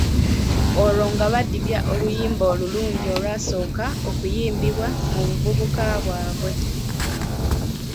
Oolwo nga badibya oluyimba olulungi olwasooka okuyimbibwa mu buvubuka bwe.